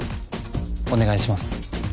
お願いします。